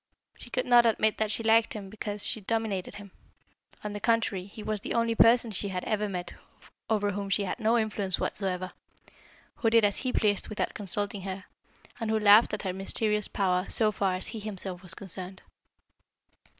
She could not admit that she liked him because she dominated him; on the contrary, he was the only person she had ever met over whom she had no influence whatever, who did as he pleased without consulting her, and who laughed at her mysterious power so far as he himself was concerned.